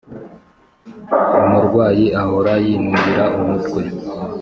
umurwayi ahora yinubira umutwe.